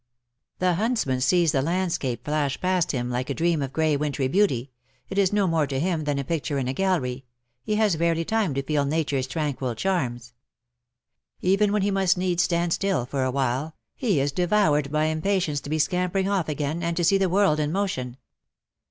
The huntsman sees the landscape flash past him like a " LET ME AXD MY PASSIOXATE LOVE GO BY. 6 dream of grey wintry beauty — it is no more to him than a picture in a gallery — he has rarely time to feel Nature's tranquil charms. Even when he must needs stand still for a while, he is devoured by impatience to be scampering off again, and to see the world in motion.